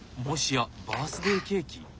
もしやバースデーケーキ？